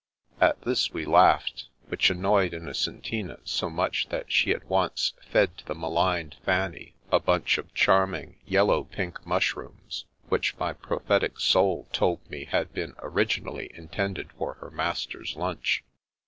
At this we laughed, which annoyed Innocentina so much that she at once fed to the maligned Fanny a bunch of charming yellow pink mushrooms which my prophetic soul told me had been originally in tended for her master's lunch.